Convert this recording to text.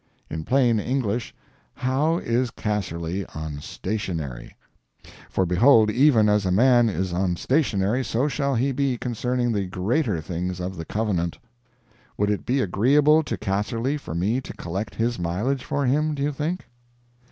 In plain English, how is Casserly on stationery? For behold, even as a man is on stationery, so shall he be concerning the greater things of the covenant. Would it be agreeable to Casserly for me to collect his mileage for him, do you think?